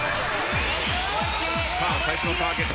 最初のターゲット。